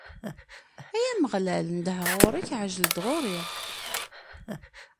Ay Ameɣlal, nedheɣ ɣur-k: Ɛjel-d ɣur-i.